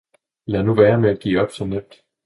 Lad nu være med at give op så nemt!